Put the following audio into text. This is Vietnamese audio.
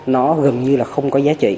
nó gần như là không có giá trị